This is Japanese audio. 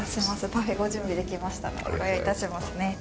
パフェご準備できましたのでご用意致しますね。